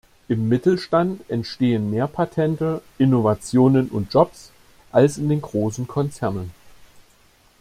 Im Mittelstand entstehen mehr Patente, Innovationen und Jobs als in den großen Konzernen.